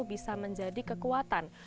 bisa menjadi kekuatan